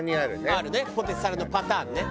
ポテサラのパターンね。